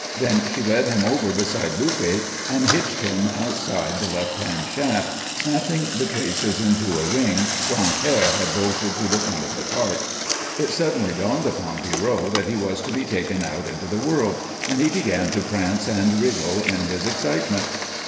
Then she led him over beside Luppe and hitched him outside the left hand shaft, snapping the traces into a ring Gran'père had bolted to the front of the cart. It suddenly dawned upon Pierrot that he was to be taken out into the world, and he began to prance and wriggle in his excitement.